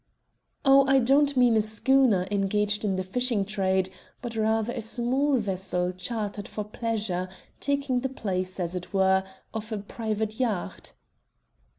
"Oh, I don't mean a schooner engaged in the fishing trade, but rather a small vessel chartered for pleasure, taking the place, as it were, of a private yacht."